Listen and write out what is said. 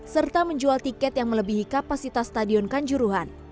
serta menjual tiket yang melebihi kapasitas stadion kanjuruhan